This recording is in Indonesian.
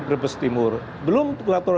berbes timur belum yang keluar tol